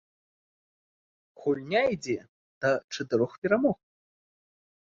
Гульня ідзе да чатырох перамог.